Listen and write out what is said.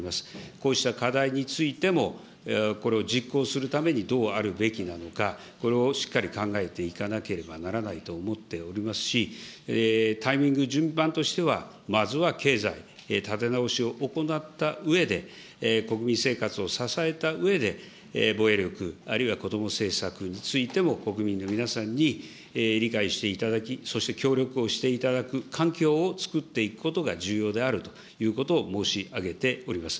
こうした課題についてもこれを実行するためにどうあるべきなのか、これをしっかり考えていかなければならないと思っておりますし、タイミング、順番としてはまずは経済立て直しを行ったうえで、国民生活を支えたうえで、防衛力、あるいはこども政策についても、国民の皆さんに理解していただき、そして協力をしていただく環境を作っていくことが重要であるということを申し上げております。